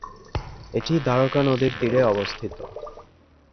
এটি দ্বারকা নদীর তীরে অবস্থিত।